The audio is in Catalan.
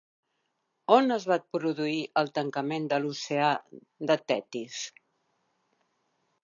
On es va produir el tancament de l'oceà de Tetis?